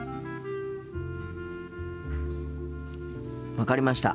分かりました。